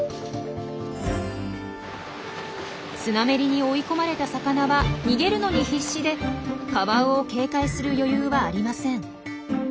スナメリに追い込まれた魚は逃げるのに必死でカワウを警戒する余裕はありません。